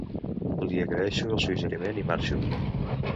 Li agraeixo el suggeriment i marxo.